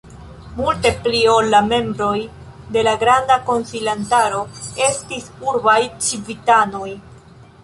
Multe pli ol la membroj de la granda konsilantaro estis urbaj civitanoj.